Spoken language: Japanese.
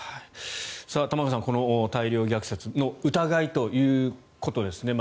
玉川さん、この大量虐殺の疑いということです。